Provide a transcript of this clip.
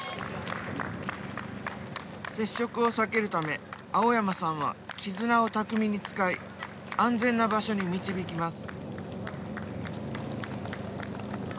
接触を避けるため青山さんは「絆」を巧みに使い安全な場所に導きます。